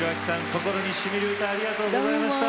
心にしみる歌ありがとうございました。